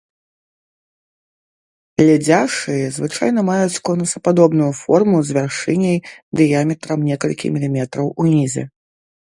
Ледзяшы звычайна маюць конусападобную форму з вяршыняй дыяметрам некалькі міліметраў унізе.